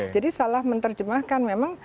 jadi salah menerjemahkan memang